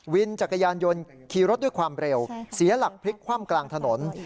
วินจักรยานยนต์ขี่รถด้วยความเร็วเสียหลักพลิกคว่ำกลางถนน